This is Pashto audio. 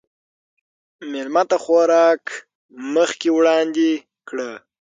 مېلمه ته خوراک مخکې وړاندې کړه.